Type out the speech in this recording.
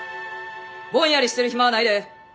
ぼんやりしてる暇はないで！